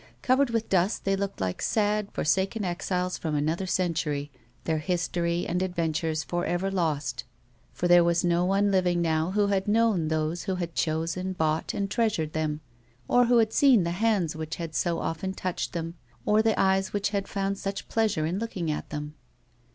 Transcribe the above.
Covered with dust they looked like sad, forsaken exiles from another century, their history and adventures for ever lost, for there was no one living now who had known those who had chosen, bought and treasured them, or who had seen the hands which had so often touched them or the eyes M'hich had found such pleasure in loolciug at them.